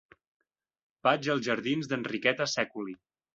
Vaig als jardins d'Enriqueta Sèculi.